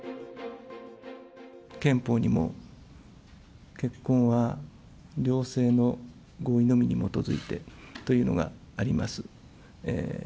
憲法にも結婚は両性の合意のみに基づいてというのがあります。